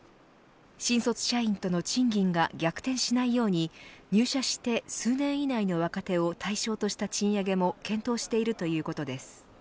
新卒社員との賃金が逆転しないように入社して数年以内の若手を対象とした賃上げも検討しているということです。